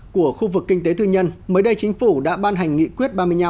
của khu vực kinh tế tư nhân mới đây chính phủ đã ban hành nghị quyết ba mươi năm